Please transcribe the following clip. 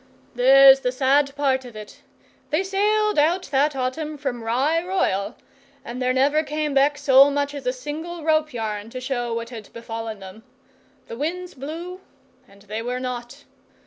'There's the sad part of it. They sailed out that autumn from Rye Royal, and there never came back so much as a single rope yarn to show what had befallen them. The winds blew, and they were not.